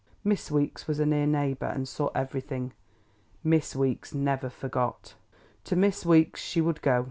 Miss Weeks was a near neighbour and saw everything. Miss Weeks never forgot; to Miss Weeks she would go.